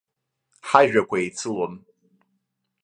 Ҳажәақәа еицылон.